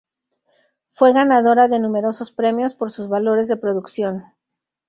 Fue ganadora de numerosos premios, por sus valores de producción.